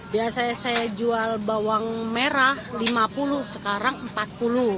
biasanya saya jual bawang merah rp lima puluh sekarang rp empat puluh